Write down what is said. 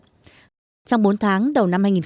trong bốn tháng đầu năm hai nghìn hai mươi